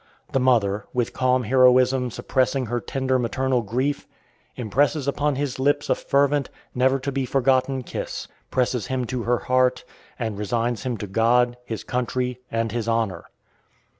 The mother, with calm heroism suppressing her tender maternal grief, impresses upon his lips a fervent, never to be forgotten kiss, presses him to her heart, and resigns him to God, his country, and his honor.